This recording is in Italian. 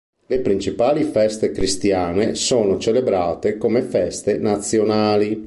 Le principali feste cristiane sono celebrate come feste nazionali.